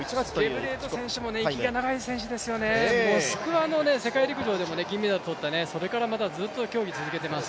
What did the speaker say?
ゲブリウェト選手も息が長い選手ですよね、モスクワの世界陸上でもそれからずっと競技を続けています。